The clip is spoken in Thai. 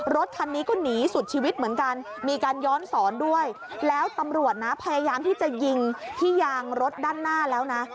รถคันนี้ก็หนีสุดชีวิตเหมือนกันมีการย้อนสอนด้วยแล้วตำรวจนะพยายามที่จะยิงที่ยางรถด้านหน้าแล้วนะ